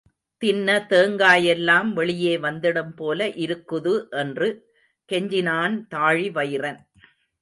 தின்ன தேங்காயெல்லாம் வெளியே வந்திடும் போல இருக்குது என்று கெஞ்சினான் தாழிவயிறன்.